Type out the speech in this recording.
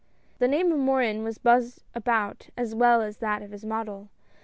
The name of Morin was buzzed about as well as that of his model.